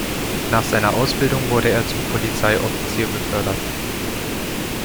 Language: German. Nach seiner Ausbildung wurde er zum Polizeioffizier befördert.